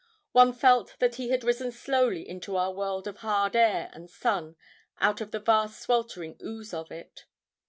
One felt that he had risen slowly into our world of hard air and sun out of the vast sweltering ooze of it.